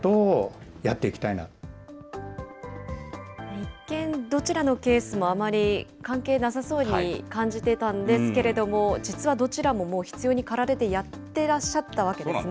一見、どちらのケースもあまり関係なさそうに感じてたんですけれども、実はどちらももう、必要にかられてやってらっしゃったわけですね。